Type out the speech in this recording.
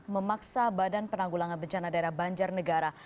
memaksa badan penanggulangan bencana daerah banjar negara